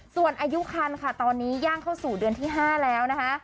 ส่วนอายุคันค่ะตอนนี้ย่างเข้าสู่เดือนที่๕แล้วนะคะ